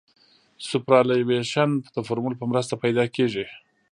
سوپرایلیویشن د فورمول په مرسته پیدا کیږي